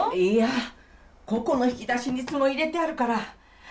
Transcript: いやここの引き出しにいつも入れてあるから。